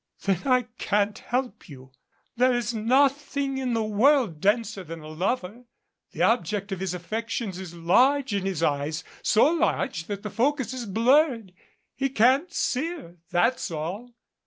"Then I can't help you. There is nothing in the world denser than a lover. The object of his affections is large in his eyes, so large that the focus is blurred. He can't see her that's all.